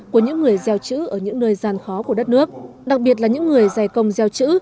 của những người gieo chữ ở những nơi gian khó của đất nước đặc biệt là những người giải công gieo chữ